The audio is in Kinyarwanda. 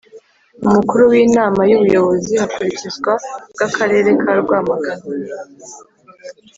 umukuru w inama y ubuyobozi hakurikizwa bw,akarere ka rwamagana.